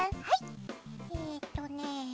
はいえとね